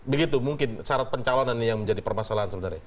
begitu mungkin syarat pencalonan ini yang menjadi permasalahan sebenarnya